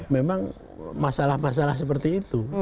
memang masalah masalah seperti itu